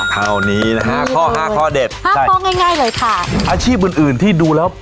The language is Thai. เท่านี้นะฮะข้อห้าข้อเด็ดห้าข้อง่ายง่ายเลยค่ะอาชีพอื่นอื่นที่ดูแล้ว